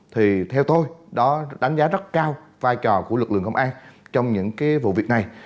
thì theo tôi đó đánh giá rất cao vai trò của lực lượng công an trong những cái vụ việc này